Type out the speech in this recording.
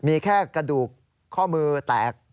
มีแค่กระดูกข้อมือแตก